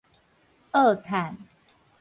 僫趁